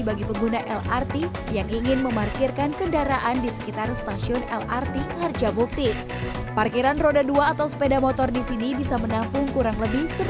secitar stasiun lrt harja bukti parkiran roda atau sepeda motor di sini bisa menampung kurang lebih